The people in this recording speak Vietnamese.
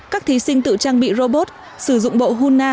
các thí sinh tự trang bị robot sử dụng bộ hunna